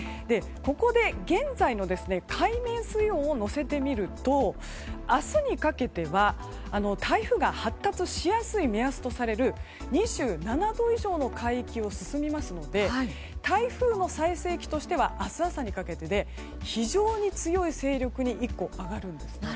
ここで現在の海面水温を載せてみると明日にかけては台風が発達しやすい目安とされる２７度以上の海域を進みますので台風の最盛期としては明日朝にかけてで非常に強い勢力に上がるんですね。